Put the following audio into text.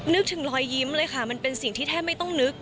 นึกถึงรอยยิ้มเลยค่ะมันเป็นสิ่งที่แทบไม่ต้องนึก